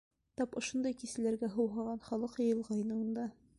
Тап ошондай кисәләргә һыуһаған халыҡ йыйылғайны унда.